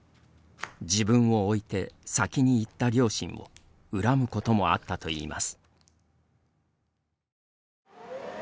自分を置いて先に逝った両親を恨むこともあったといいます。